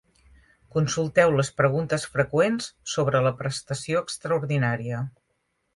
Consulteu les preguntes freqüents sobre la prestació extraordinària.